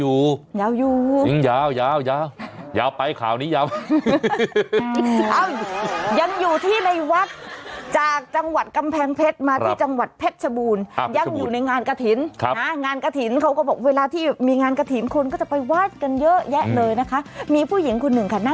โอ้โอ้น่ากลัวมากเอาเอาเธอถ่ายคลิปแล้วก็ลงในเฟซบุ๊กค่ะ